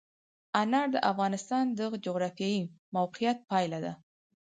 انار د افغانستان د جغرافیایي موقیعت پایله ده.